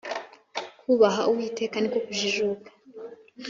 kubaha uwiteka niko kujijuka